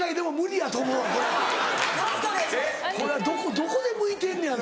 どこで向いてんねやろ？